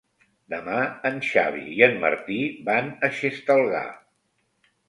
Demà en Xavi i en Martí van a Xestalgar.